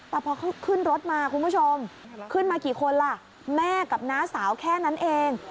แต่พอเขาขึ้นรถมาคุณผู้ชมขึ้นมากี่คนล่ะแม่กับน้าสาวแค่นั้นเอง